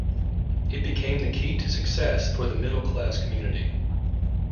It became the key to success for the middle class community.